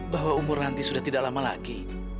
bahwa umur nanti sudah tidak lama lagi